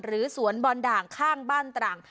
สวนบอลด่างข้างบ้านตรัง